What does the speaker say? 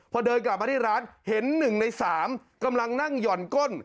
พอเดินกลับมาที่ร้านเห็น๑ใน๓กำลังนั่งหย่อนก้น